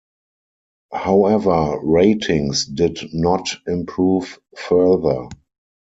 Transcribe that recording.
However, ratings did not improve further.